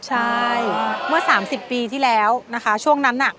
ใช่เมื่อ๓๐ปีที่แล้วนะคะช่วงนั้นน่ะ